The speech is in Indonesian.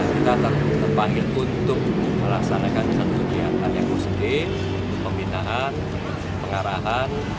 kita terpanggil untuk melaksanakan satu kegiatan yang positif pembinaan pengarahan